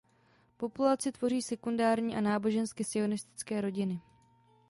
Populaci tvoří sekulární a nábožensky sionistické rodiny.